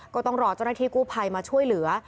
ก็ต้องรอเจ้าหน้าที่กู้ภัยมาช่วยเหลือ